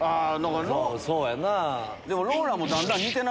そうやんな。